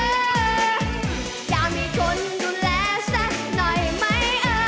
อยากให้คนดูแลสักหน่อยมั้ย